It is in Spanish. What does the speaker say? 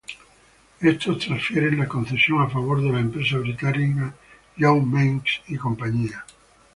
Estos transfieren la concesión a favor de la empresa británica John Meiggs y cía.